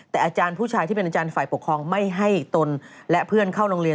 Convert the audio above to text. แต่อาจารย์ผู้ชายที่เป็นอาจารย์ฝ่ายปกครองไม่ให้ตนและเพื่อนเข้าโรงเรียน